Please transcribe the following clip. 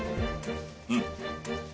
うん。